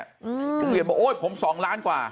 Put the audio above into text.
โรงเรียนบอกโอ๊ยผม๒ล้านกว่า